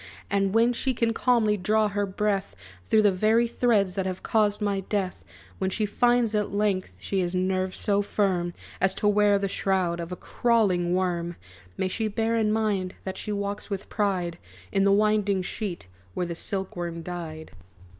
And when she can calmly draw her breath Through the very threads that have caused my death; When she finds at length, she has nerves so firm, As to wear the shroud of a crawling worm, May she bear in mind that she walks with pride In the winding sheet where the silk worm died!"